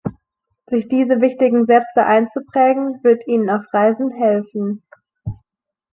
Sich diese wichtigen Sätze einzuprägen, wird Ihnen auf Reisen helfen.